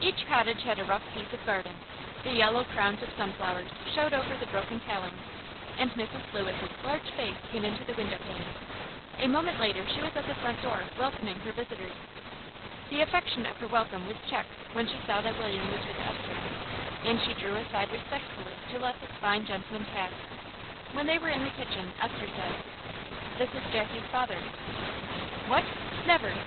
Each cottage had a rough piece of garden, the yellow crowns of sunflowers showed over the broken palings, and Mrs. Lewis's large face came into the windowpane. A moment later she was at the front door welcoming her visitors. The affection of her welcome was checked when she saw that William was with Esther, and she drew aside respectfully to let this fine gentleman pass. When they were in the kitchen Esther said "This is Jackie's father." "What, never!